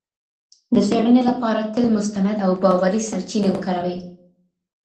د څېړنې لپاره تل مستند او باوري سرچینې وکاروئ.